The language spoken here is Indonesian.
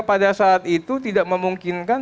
pada saat itu tidak memungkinkan